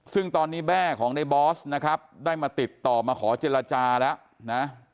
ซึ่งตอนนี้แม่ของในบอสนะครับได้มาติดต่อมาขอเจรจาแล้วนะ